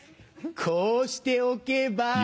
こうしておけば。